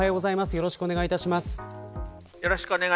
よろしくお願いします。